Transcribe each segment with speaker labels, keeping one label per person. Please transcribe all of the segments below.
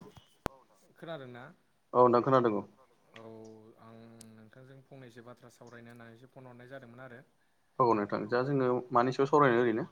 Speaker 1: औ औ खोनादों ना
Speaker 2: औ नोंथां
Speaker 1: औ नोंथां खोनादों औ आं नोंथांजों फंनैसो बाथ्रा सावरायनो होननानैसो फन हरनाय जादोंमोन आरो
Speaker 2: औ नोंथां दा जोङो मानि सायाव सावरायनो ओरैनो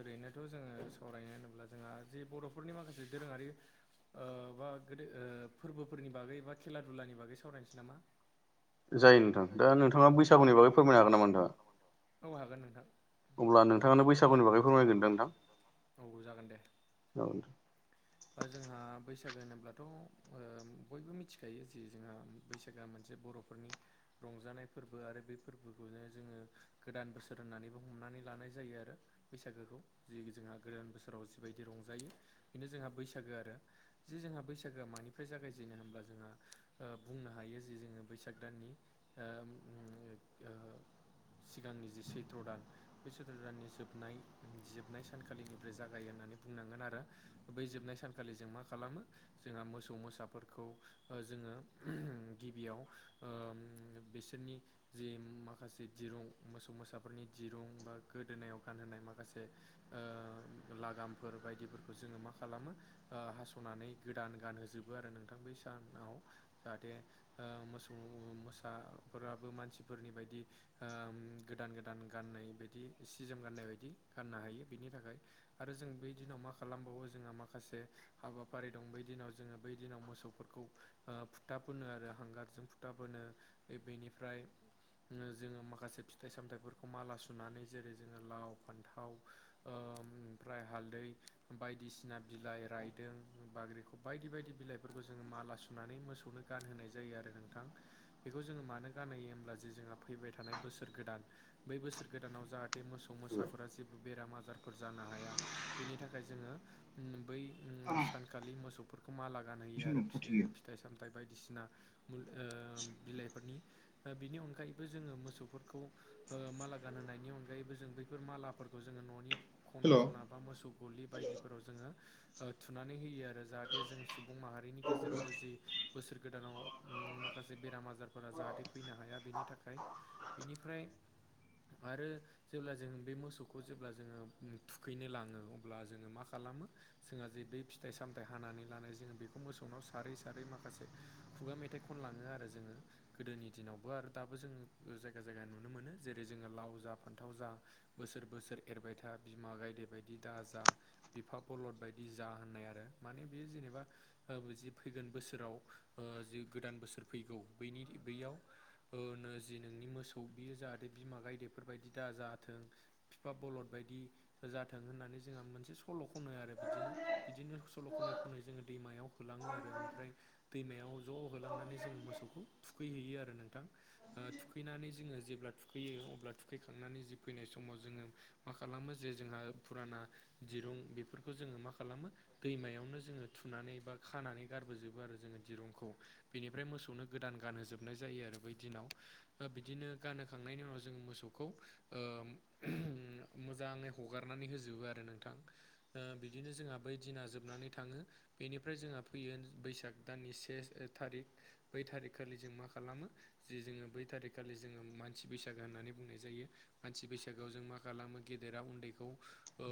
Speaker 1: ओरैनोथ' जोङो सावरायनो होनोब्ला जोंहा जे बर'फोरनि माखासे दोरोङारि ओ बा ओ गोदो फोरबोफोरनि बागै बा खेला दुलानि बागै सावरायनोसै नामा
Speaker 2: जायो नोंथां दा नोंथाङा बैसागुनि बागै फोरमायनो हागोन नामा नोंथां
Speaker 1: औ हागोन नोंथां औ हागोन
Speaker 2: नोंथाङानो
Speaker 1: अब्ला नोंथांङानो बैसागुनि बागै
Speaker 2: फोरमायगोनदां नोंथां
Speaker 1: फोरमायगोन दा नोंथां औ जागोन दे
Speaker 2: औ नोंथां।
Speaker 1: बा जोंहा बैसागो होनोब्लाथ' ओ बयबो मिथिखायो जि जोंहा बैसागोआ मोनसे बर'फोरनि रंजानाय फोरबो आरो बे फोरबोखौनो जोङो गोदान बोसोर होननानैबो हमनानै लानाय जायो आरो बैसागोखौ जि जोंहा गोदान बोसोराव जिबायदि रंजायो बेनो जोंहा बैसागो आरो जे जोंहा बैसागोआ मानिफ्राय जागायजेनो होनब्ला जोंहा बुंनो हायो जे जोङो बैसाग दाननि ओ ओम ओ सिगांनि जि सैथ्र' दान [unintelligible] दाननि जोबनाय जोबनाय सानखालिनिफ्राय जागायो होननानै बुंनांगोन आरो बै जोबनाय सानखालि जों मा खालामो जोंहा मोसौ मोसाफोरखौ जोङो गिबियाव ओ बिसोरनि जे माखासे दिरुं मोसौ मोसाफोरनि दिरुं बा गोदोनायाव गानहोनाय माखासे ओ लागामफोर बायदिफोरखौ जोङो मा खालामो ओ हास' नानै गोदान गानहोजोबो आरो नोंथां बै सानाव जाहाथे ओ मोसौ मोसाफोराबो मानसिफोरनि बायदि ओ गोदान गोदान गाननाय बायदि सि जोम गाननाय बायदि गाननो हायो बिनि थाखाय आरो जों बै दिनाव मा खालामबावो जोंहा माखासे हाबाफारि दं बै दिनाव जोङो बै दिनाव मोसौफोरखौ ओ फुथा फोनो आरो हांगारजों फुथा फोनो बेनिफ्राय जोङो माखासे फिथाइ सामथाइफोरखौ माला सुनानै जेरै जोङो लाव फान्थाव ओ ओमफ्राय हालदै बायदिसिना बिलाइ राय दों बाग्रिखब बायदि बायदि बिलाइफोरखौ जोङो माला सुनानै मोसौनो गानहोनाय जायो आरो नोंथां। बेखौ जोङो मानो गानहोयो होमब्ला जे जोंहा फैबाय थानाय बोसोर गोदान बै बोसोर गोदानाव जाहा बे मोसौ मोसाफोरा जेबो बेराम आजारफोर जानो हाया बेनि थाखाय जोङो बै ओम सानखालि मोसौफोरखौ माला गानहोयो आरो फिथाइ साम थाय बायदिसिना ओम बिलाइफोरनि दा बिनि अनगायैबो जोङो मोसौफोरखौ ओ माला गानहोनायनि अनगायैबो जों बैफोर मालाफोरखौ जोङो न'नि खना
Speaker 2: हेल'
Speaker 1: खना बा मोसौ गलि बायदिफोराव जोङो ओ थुनानै होयो आरो जाहाथे जों सुबुं माहारिनि गेजेरावबो जि बोसोर गोदानाव माखासे बेराम आजारफोरा जाहाथे फैनो हाया बेनि थाखाय। बेनिफ्राय आरो जेब्ला जों बे मोसौखौ जेब्ला जोङो थुखैनो लाङो अब्ला जोङो मा खालामो जोंहा जे बे फिथाइ सामथाइ हानानै लानाय जोङो बेखौ मोसौनाव सारै सारै माखासे खुगा मेथाइ खनलाङो आरो जोङो। गोदोनि दिनावबो आरो दाबो जोङो जायगा जायगा नुनो मोनो जेरै जोङो लाव जा फान्थाव जा बोसोर बोसोर एरबाय था बिमा गायदे बायदि दाज जा बिफा बलद बायदि नि जा होननाय आरो माने बेयो जेनेबा ओ जि फैगोन बोसोराव ओ जि गोदान बोसोर फैगौ बनि बैयाव ओ नोजि नोंनि मोसौ बियो जाहाथे बिमा गायदेफोरबायायदि दा जाथों बिफा बलद बायदि जाथों होननानै जोंहा मोनसे सल' खनो आरो बि दिनो बिदिनो सल' खनै खनै जोङो दैमायाव होलाङो आरो ओमफ्राय दैमायाव ज' होलांनानै जोङो मोसौखौ थुखैहैयो आरो नोंथां। ओ थुखैनानै जोङो जेब्ला थुखैयो अब्ला थुखैखांनानै जि फैनाय समाव जोङो मा खालामो जे जोंहा फुराना दिरुं बेफोरखौ जोङो मा खालामो दैमायावनो जोङो थुनानै बा खानानै गारबोजोबो आरो जोङो दिरुंखौ। बेनिफ्राय मोसौनो गोदान गानहोजोबनाय जायो आरो बै दिनाव बिदिनो गान होखांनायनि उनाव जोङो मोसौखौ ओ मोजाङै हगारनानै होजोबो आरो नोंथां। ओ बिदिनो जोंहा बै दिना जोबनानै थाङो। बेनिफ्राय जोंहा फैयो बैसाग दाननि से थारिख। बै थारिखखालि जों मा खालामो जे जोङो बै थारिखखालि जोङो मानसि बैसागो होननानै बुंनाय जायो। मानसि बैसागोआव जों मा खालामो गेदेरा उन्दैखौ ओ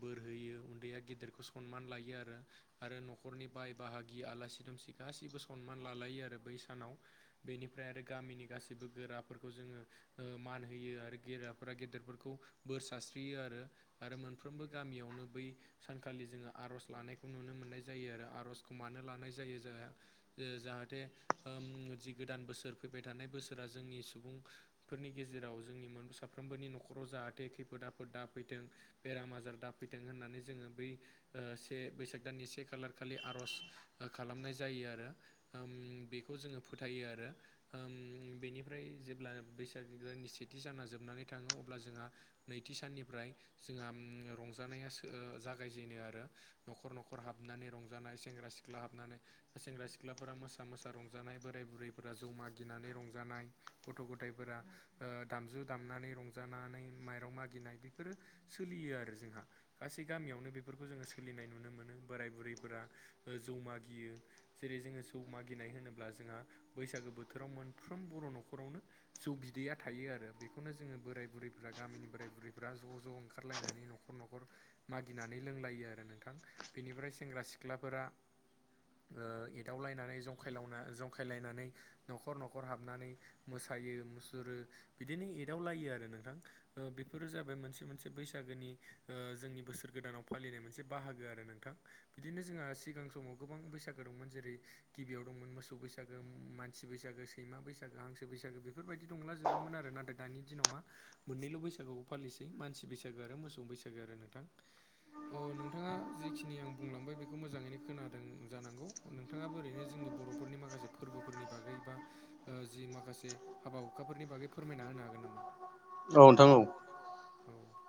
Speaker 1: बोरहयो। उन्दैया गिदिरखौ सनमान लायो आरो आरो न'खरनि बाय बाहागि आलासि दुमसि गासिबो सनमान लालायो आरो बै सानाव। बेनिफ्राय आरो गामिनि गासैबो गोराफोरखौ जोङो ओ मान होयो आरो गेदाफोरा गेदेरफोरखौ बोर सारस्रियो आरो। आरो मोनफ्रोमबो गामियावनो बै सानखालि जोङो आर'ज लानायखौ नुनो मोननाय जायो आरो आर'जखौ मानो लानाय जायो जोंहा जाहाथे ओ जि गोदान बोसोर फैबाय थानाय बोसोरा जोंनि सुबुं फोरनि गेजेराव जोंनि साफ्रोमबोनि न'खराव जाहाथे खैफोद आफोद दाफैथों बेराम आजार दाफैथों होननानै जोङो बै ओ से बैसाग दाननि से खालार खालि आर'ज खालामनाय जायो आरो आं बेखौ जोङो फोथायो आरो ओम बेनिफ्राय जेब्ला बैसागो निस्थि जाना जोबनानै थाङो अब्ला जोंहा नैथि साननिफ्राय जोंहा रंजानाया सो ओ जागायजेनो आरो न'खर न'खर हाबनानै रंजानाय सेंग्रा सिख्ला हाबनानै सेंग्रा सिख्लाफोरा मोसा मोसा रंजानाय बोराय बुरैफोरा जमाागिनानै रंजानाय गथ' गथायफोरा ओ दामजु दामनानै रंजानानै माइरं मागिनाय बेफोरो सोलियो आरो जोंहा गासै गामियावनो बेफोरखौ जोङो सोलिनाय नुनो मोनो बोराय बुरैफोरा जौ मागियो जेरै जोङो जौ मागिनाय होनोब्ला जोंहा बैसागो बोथोराव मोनफ्रोम बर' न'खरावनो जौ बिदैया थायो आरो बेखौनो जोङो बोराय बुरैफ्रा गामिनि बोराय बुरैफ्रा ज' ज' ओंखारलायनानै न'खर न'खर मागिनानै लोंलायो आरो नोंथां बेनिफ्राय सेंग्रा सिख्लाफोरा ओ एदावलायनानै जंखायलना जंखायलायनानै न'खर न'खर हाबनानै मोसायो मुसुरो बिदिनो एदावलायो आरो नोंथां बेफोरो जाबाय मोनसे मोनसे बैसागोनि ओ जोंनि बोसोर गोदानाव फालिनाय मोनसे बाहागो आरो नोंथां बिदिनो जोंहा सिगां समाव गोबां बैसागो दंमोन जेरै गिबियाव दंमोन मोसौ बैसागो मानसि बैसागो सैमा बैसागो हांसो बैसागो बेफोरबायदि दंलाजोबोमोन आरो नाथाय दानि दिनाव मा मोननैल' बैसागोखौ फालिसै मानसि बैसागो आरो मोसौ बैसागो आरो नोंथां अ नोंथाङा जिखिनि आं बुंलांबाय बेखौ मोजाङैनो खोना दों जानांगौ नोंथाङाबो ओरैनो जोंनि बर'फोरनि माखासे फोरबोफोरनि बागै बा ओ जि माखासे हाबा हुखाफोरनि बागै फोरमायना होनो हागोन नामा
Speaker 2: औ नोंथां औ
Speaker 1: औ नोंथां औ औ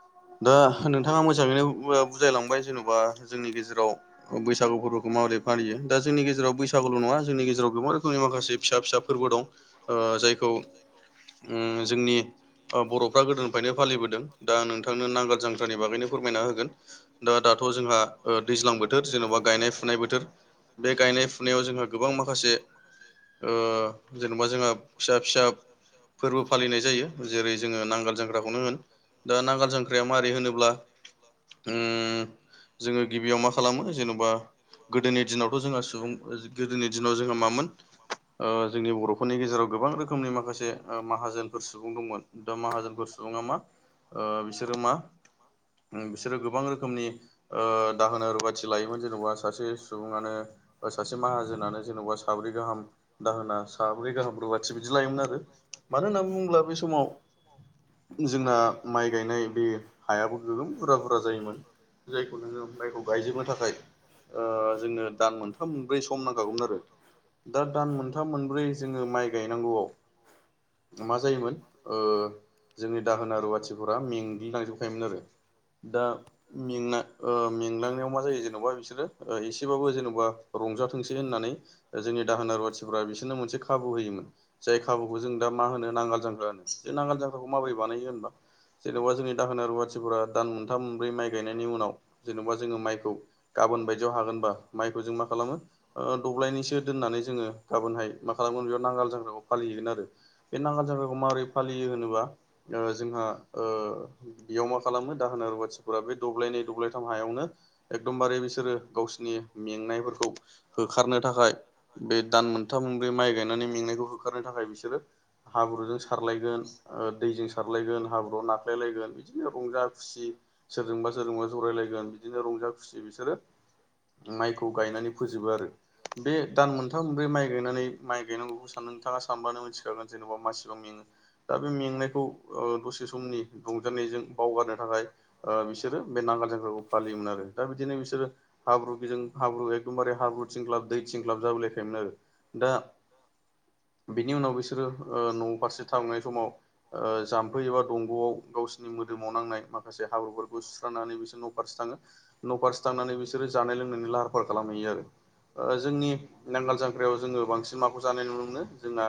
Speaker 2: ओ नोंथाङा मो जाङैनो बु बुजायलांबाय जेन'बा जोंनि गेजेराव बैसागु फोरबोखौ माबोरै फालियो दा जोंनि गेजेराव बैसागुल' नङा जोंनि गेजेराव गोबां रोखोमनि माखासे फिसा फिसा फोरबो दं ओ जायखौ
Speaker 1: [inaudible]
Speaker 2: ओम जोंनि बर'फ्रा गोदोनिफ्रायनो फालिबोदों दा नोंथांनो नांगोल जांख्रानि बागैनो फोरमायना होगोन दा दाथ' जोंहा ओ दैज्लां बोथोर जेन'बा गायनाय फुनाय बोथोर बे गायनाय फुनायाव जोंहा गोबां माखासे
Speaker 1: माखासे
Speaker 2: ओ जेन'बा जोंहा फिसा फिसा फोरबो फालिनाय जायो जेरै जोङो नांगोल जांख्राखौनो होन दा नांगोल जांख्राया मारै होनोब्ला ओम जोङो गिबियाव मा खालामो जेन'बा गोदोनि दिनावथ' जोंहा सुबुं गोदोनि दिनाव जोंहा मामोन ओ जोंनि बर'फोरनि गेजेराव गोबां रोखोमनि माखासे ओ माहाजोन फोरबो सुबुं दंमोन दा माहाजोनफोर सुबुङा मा ओ बिसोरो मा बिसोरो गोबां रो खोमनि ओ दाहोना रुवाथि लायोमोन जेन'बा सासे सुबुङानो सासे माहाजोनानो जेन'बा साब्रै गाहाम दाहोना साब्रै गाहाम रुवाथि बिदि लायोमोन आरो मानो होननानै बुङोब्ला बै समाव
Speaker 1: औ
Speaker 2: जोंना माइ गायनाय बे हायाबो गोगोम बुरजा बुरजा जायोमोन जायखौ नोङो माइखौ गायजोबनो थाखाय ओ जोंनो दान मोनथाम मोनब्रै सम नांखागौमोन आरो दा दान मोन थाम मोनब्रै जोङो माइ गायनांगौवाव मा जायोमोन ओ जोंनि दाहोना रुवाथिफोरा मेंग्लिलांजोबखायोमोन आरो दा मेंना ओ मेंलांनायाव मा जायो जेनेबा बिसोरो एसेबाबो जेनेबा रंजाथोंसै होननानै जोंनि दाहोना रुवाथिफोरा बिसोरनो मोनसे खाबु होयोमोन जाय खाबुखौ जों दा मा होनो नांगाल जांख्रा होनो जों नांगाल जांख्राखौ माबोरै बानायो होनबा जेनेबा जोंनि दाहोना रुवाथिफोरा दान मोनथाम मोनब्रै माइ गायनायनि उनाव जेन'बा जोङो माइखौ गाबोन बायदियाव हागोनबा माइखौ जों मा खालामो ओ दब्लायनैसो दोननानै जोङो गाबोनहाय मा खालामगोन बेयाव नांगाल जांख्राखौ फालिहैगोन आरो। बे नांगाल जांख्राखौ माबोरै फालियो होनोबा जोंहा ओ बेयाव मा खालामो दाहोना रुवाथिफोरा बे दब्लायनै दब्लायथाम हायावनो एकदमबारे बिसोरो गावसिनि मेंनायफोरखौ होखारनो थाखाय बे दान मोनथाम मोनब्रै माइ गायनानै मेंनायखौ होखारनो थाखाय बिसोरो हाब्रुजों सारलायगोन दैजों सारलायगोन हाब्रुवाव नाख्लायलायगोन बिदिनो रंजा खुसि सोरजोंबा सोरजोंबा जरायलायगोन बिदिनो रंजा खुसि बिसोरो माइखौ गायनानै फोजोबो आरो बे दान मोनथाम मोनब्रै माइ गायनानै माइ गायनांगौखौ सान नोंथाङा सानबानो मिथिखागोन जेन'बा मासिबां मेङो। दा बे मेंनायखौ दसे समनि बुं दिनैजों बावगारनो थाखाय बिसोरो बे नांगाल जांख्राखौ फालियोमोन आरो दा बिदिनो बिसोरो हाब्रु बिजों हाब्रु एखदमबारे हाब्रु थिंख्लाब दै थिंख्लाब जाबोलायखायोमोन आरो दा बिनि उनाव बिसोरो न' फारसे थांनाय समाव ओ जाम्फै एबा दंग'आव गाव मोदोमाव नांनाय माखासे हाब्रुफोरखौ सुस्रानानै बिसोर न' फारसे थाङो न' फारसे थांनानै बिसोरो जानाय लोंनायनि लाहार फाहार खालामहैयो आरो। जोंनि नांगाल जांख्रायाव जोङो बांसिन माखौ जानाय नुनो मोनो जोंना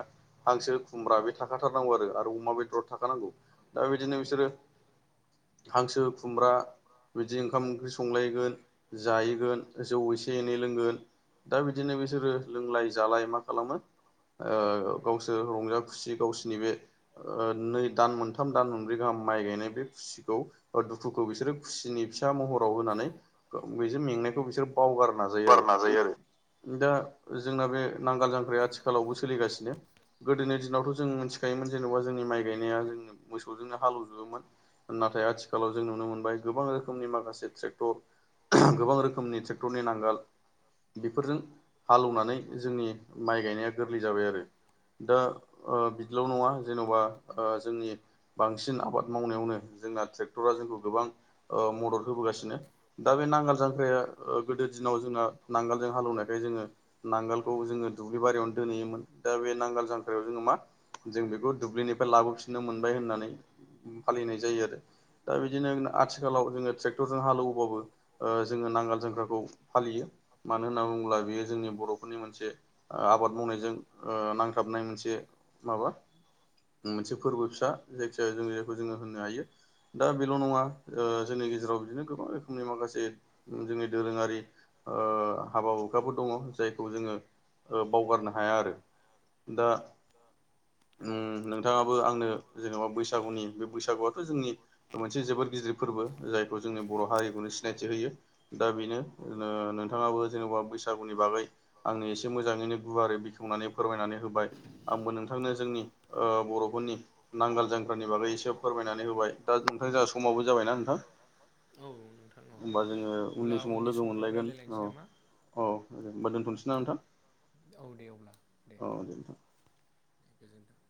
Speaker 2: हांसो खुमब्रा बे थाखाथारनांगौ आरो अमा बेदराव थाखानांगौ दा बिदिनो बिसोरो हांसो खुमब्रा बिदि ओंखाम ओंख्रि संलायगोन जायैगोन जौ एसे एनै लोंगोन दा बिदिनो बिसोरो लोंलाय जालाय मा खालामो ओ गावसोर रंजा खुसि गावसोरनि बे नै दान मोन थाम दान मोनब्रै गाहाम माइ गायनाय बे खुसिखौ दुखुखौ बिसोर खुसिनि फिसा महराव होनानै बेजों मेंनायखौ बिसोर बावगारनो नाजायो आरो। दा जोंना बे नांगाल जांख्राया आथिखालावबो सोलिगासिनो गोदोनि दिनावथ' जों मिथिखायोमोन जेनेबा जोंनि माइ गायनाया जों मोसौजोंनो हालौ नाथाय आथिखालाव जों नुनो मोनबाय गोबां रोखोमनि माखासे ट्रेक्टर गोबां रोखोमनि ट्रेक्टरनि नांगाल बेफोरजों हालौनानै जोंनि माइ गायनाया गोरलै जाबाय आरो दा बिदिल' नङा जेन'बा जोंनि बांसिन आबाद मावनायावनो जोंना ट्रेक्टरा जोंखौ गोबां मदद होबोगासिनो। दा बे नांगाल जांख्राया गोदो दिनाव जोंहा नांगालजों हालेवनायखाय जोङो नांगोलखौ जोङो दुब्लि बारियावनो दोनहैयोमोन दा बे नांगोल जांख्रायाव जोङो मा जों बेखौ दुब्लिनिफ्राय लाबोफिननो मोनबाय होननानै फालिनाय जायो आरो दा बिदिनो आथिखालाव जोङो ट्रेक्टरजों हालेवोबाबो ओ जोङो नांगाल जांख्राखौ फालियो मानो होनना बुङोब्ला बेयो जोंनि बर'फोरनि मोनसे आबाद मावनायजों नांथाबनाय मोनसे माबा मोनसे फोरबो फिसा जायखिजाया जों जायखौ जोङो होननो हायो। दा बेल' नङा ओ जोंनि गेजेराव बिदिनो गोबां रोखोमनि माखासे जोंनि दोरोङारि ओ हाबा हुखाबो दङ जायखौ जोङो ओ बावगारनो हाया आरो दा नोंथाङाबो आंनो जेनेबा बैसागुनि बे बैसागुआथ' जोंनि मोनसे जोबोद गिदिर फोरबो जायखौ जोंनि बर' हारिखौनो सिनायथि होयो। दा बेनो ओ नोंथाङाबो जेनबा बैसागुनि बागै आंनो एसे मोजाङैनो गुवारै बेखेव बुंनानै फोरमायनानै होबाय आंबो नोंथांनो जोंनि ओ बर'फोरनि नांगाल जांख्रानि बागै एसे फोरमायनानै होबाय दा नोंथां जोंहा समावबो जाबायना नोंथां?
Speaker 1: औ नोंथां औ
Speaker 2: होमबा जोङो
Speaker 1: अब्ला
Speaker 2: उननि समाव लोगो
Speaker 1: समफ्राव
Speaker 2: मोनलायगोन
Speaker 1: रायज्लायलायनोसै
Speaker 2: औ।
Speaker 1: नामा
Speaker 2: औ दे होनबा दोनथ'सै ना नोंथां?
Speaker 1: औ दे अब्ला दे
Speaker 2: औ नोंथां
Speaker 1: गोजोन्थों।